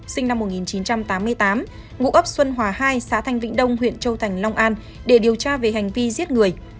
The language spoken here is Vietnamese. sinh năm một nghìn chín trăm tám mươi tám ngụ ấp xuân hòa hai xã thanh vĩnh đông huyện châu thành long an để điều tra về hành vi giết người